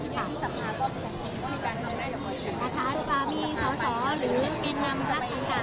จะได้มาถึงบรรคาอยู่เข้าไปได้ไหม